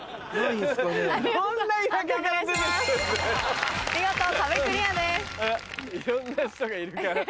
いろんな人がいるから。